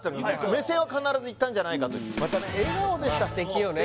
目線は必ずいったんじゃないかとまたね笑顔でした素敵よね